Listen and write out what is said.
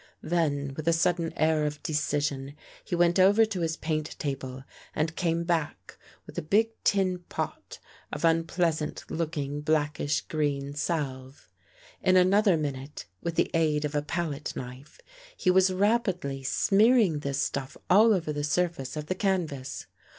Then, with a sud den air of decision, he went over to his paint table and came back with a big tin pot of unpleasant looking, blackish green salve. In another minute, with the aid of a palette knife, he was rapidly smearing this stuff all over the surface of the canvas.